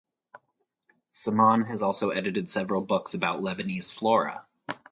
Semaan has also edited several books about Lebanese flora.